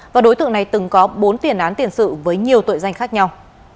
và đối tượng này từng có bốn tiền án tiền sự với nhiều tội danh khác nhau